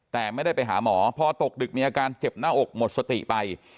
แต่ไม่ได้ไปหาหมอพอตกดึกมีอาการเจ็บหน้าอกหมดสติไป